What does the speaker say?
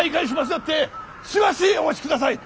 よってしばしお待ちください！